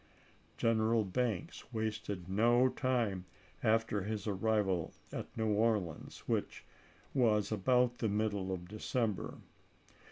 ms. General Banks wasted no time after his arrival at New Orleans, which was about the middle of De cember.